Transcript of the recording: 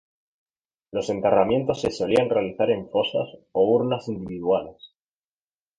Los enterramientos se solían realizar en fosas o urnas individuales.